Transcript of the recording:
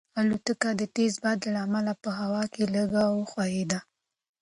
الوتکه د تېز باد له امله په هوا کې لږه وښورېده.